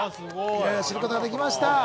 いろいろ知ることができました。